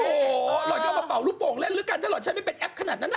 โอ้โหหล่อนก็เอามาเป่าลูกโป่งเล่นแล้วกันถ้าหล่อนฉันไม่เป็นแอปขนาดนั้นน่ะ